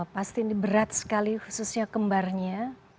pasti ini berat sekali khususnya kembarnya